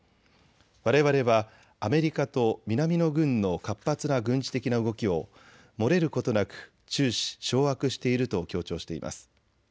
われわれはアメリカと南の軍の活発な軍事的な動きを漏れることなく注視、掌握していると強調しています。